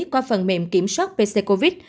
qua phần mềm kiểm soát pc covid